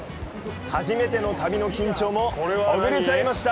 初めての旅の緊張もほぐれちゃいました！